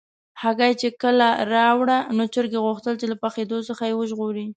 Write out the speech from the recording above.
هګۍ چې کله راوړه، نو چرګې غوښتل چې د پخېدو څخه یې وژغوري.